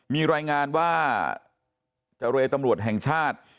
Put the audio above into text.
มีรายงานว่าเจรตำรวจแห่งชาติ